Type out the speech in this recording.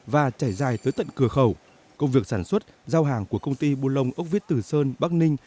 và trải dài tới tận cửa khẩu công việc sản xuất giao hàng của công ty bùa long ốc viết tử sơn bắc ninh